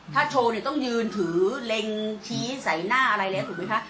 ถ้าโชว์เนี่ยต้องยืนถือเล็งชี้ใส่หน้าอะไรแล้วถูกไหมคะ